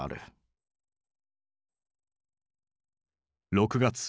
６月。